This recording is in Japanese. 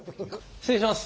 失礼します。